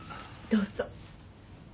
どうぞ。